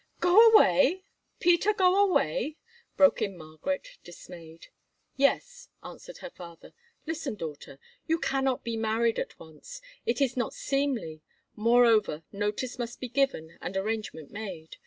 "Go away! Peter go away?" broke in Margaret, dismayed. "Yes," answered her father. "Listen, daughter. You cannot be married at once. It is not seemly; moreover, notice must be given and arrangement made.